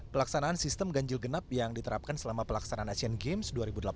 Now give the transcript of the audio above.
pelaksanaan sistem ganjil genap yang diterapkan selama pelaksanaan asian games dua ribu delapan belas